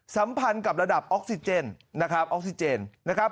สัมพันธ์กับระดับออกซิเจนนะครับออกซิเจนนะครับ